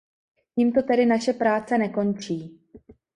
Tímto tedy naše práce nekončí.